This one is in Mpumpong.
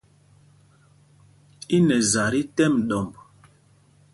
I nɛ za tí tɛ́m ɗɔmb.